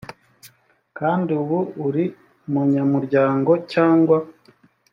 kandi ubu uri umunyamuryango cyangwa